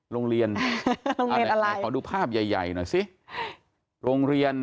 โรงเรียนอะไรขอดูภาพใหญ่ใหญ่หน่อยสิโรงเรียน